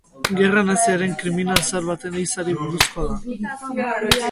Gerra naziaren kriminal zahar baten ehizari buruzkoa da.